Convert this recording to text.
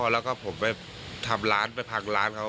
แล้วก็ผมไปทำร้านไปพังร้านเขา